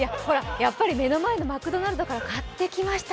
やっぱり目の前のマクドナルドから買ってきました